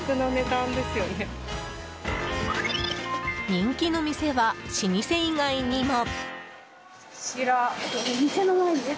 人気の店は老舗以外にも。